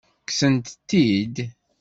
Kksent-t-id?